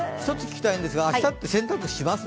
明日って洗濯します？